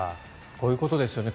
こういうことですね。